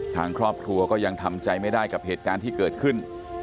ทางครอบครัวก็ยังทำใจไม่ได้กับเหตุการณ์ที่เกิดขึ้น